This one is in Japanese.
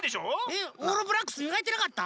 えオールブラックスみがいてなかった？